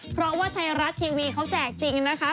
เพราะว่าไทยรัฐทีวีเขาแจกจริงนะคะ